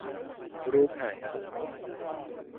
รูปหายอ่ะ